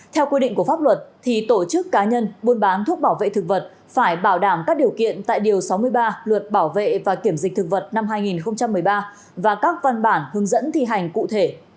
theo quy định của pháp luật tổ chức cá nhân buôn bán thuốc bảo vệ thực vật phải bảo đảm các điều kiện tại điều sáu mươi ba luật bảo vệ và kiểm dịch thực vật năm hai nghìn một mươi ba và các văn bản hướng dẫn thi hành cụ thể